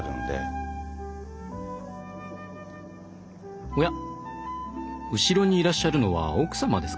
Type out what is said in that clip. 後ろにいらっしゃるのは奥様ですか？